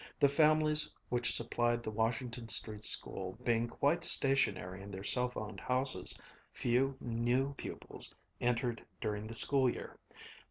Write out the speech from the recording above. The families which supplied the Washington Street School being quite stationary in their self owned houses, few new pupils entered during the school year.